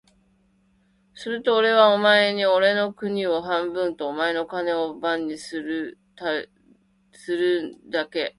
お前はおれにおれの兵隊を養うだけ金をくれるんだ。するとおれはお前におれの国を半分と、お前の金を番するのにたるだけの兵隊をやる。